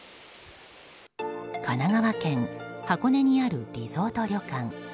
神奈川県箱根にあるリゾート旅館。